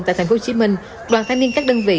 tại tp hcm đoàn thanh niên các đơn vị